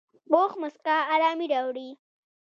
پوخ مسکا آرامي راوړي